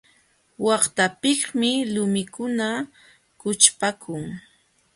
Waqtapiqmi lumikuna kućhpamun.